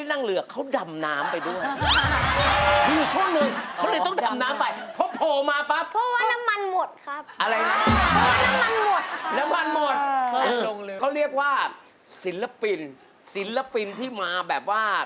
เยี่ยมมากเลยครับ